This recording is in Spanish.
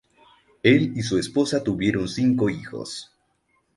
Él y su esposa tuvieron cinco hijos.